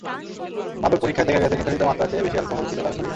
মাদক পরীক্ষায় দেখা গেছে, নির্ধারিত মাত্রার চেয়ে বেশি অ্যালকোহল ছিল তাঁর শরীরে।